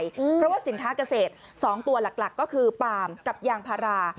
เพราะว่าสินค้าเกษตร๒ตัวหลักก็คือปาล์มกับยางพารา